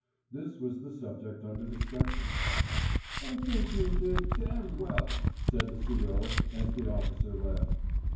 This was the subject under discussion. "I think you did d d well," said the C.O. as the officer left.